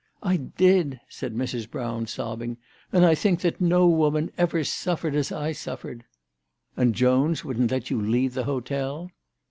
" I did," said Mrs. Brown, sobbing, " and I think that no woman ever suffered as I suffered." " And Jones wouldn't let you leave the hotel